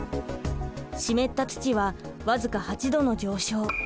湿った土は僅か８℃の上昇。